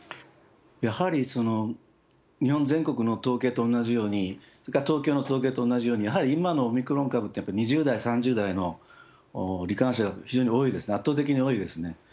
やはり日本全国の統計と同じように、東京の統計と同じように、やはり今のオミクロン株って２０代、３０代のり患者が非常に多いですね、圧倒的に多いですね。